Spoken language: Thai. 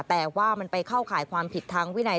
แต่ว่ามันไปเข้าข่ายความผิดทางวินัย